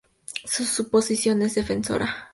Su posición es defensora.